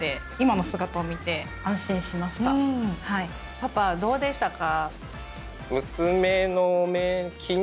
パパどうでしたか？